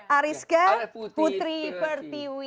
ariske putri pertiwi